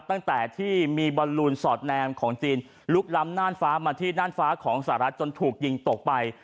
ตั้งแต่ที่มีบอลลูนสอดแนมของจีนลุกล้ำน่านฟ้ามาที่น่านฟ้าของสหรัฐจนถูกยิงตกไป